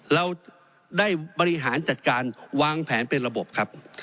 เราได้บริหารจัดการวางแผนเป็นระบบครับ